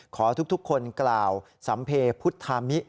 ขอทุกคนกล่าวสัมเพพุทธามิ